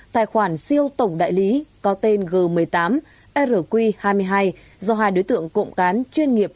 tài khoản siêu tổng đại lý có tên g một mươi tám rq hai mươi hai do hai đối tượng cộng cán chuyên nghiệp